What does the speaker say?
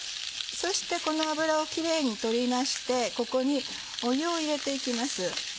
そしてこの脂をキレイに取りましてここに湯を入れて行きます。